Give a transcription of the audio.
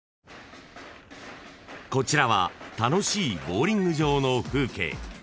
［こちらは楽しいボウリング場の風景］